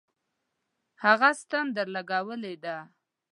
هغه ستن درلگولې ده.